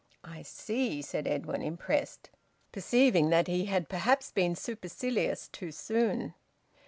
"I see," said Edwin, impressed, perceiving that he had perhaps been supercilious too soon.